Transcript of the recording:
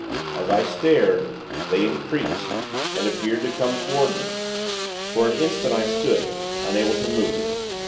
As I stared, they increased, and appeared to come toward me. For an instant, I stood, unable to move.